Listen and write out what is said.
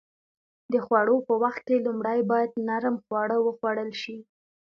د خوړو په وخت کې لومړی باید نرم خواړه وخوړل شي.